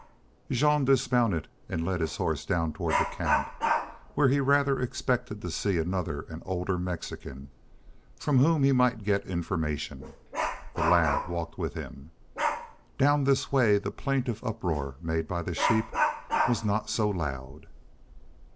Jean dismounted and led his horse down toward the camp, where he rather expected to see another and older Mexican, from whom he might get information. The lad walked with him. Down this way the plaintive uproar made by the sheep was not so loud.